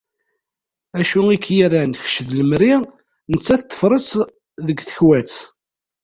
Acu i ak-yerran kečč d lemri, nettat teffreḍ-tt deg tekwat.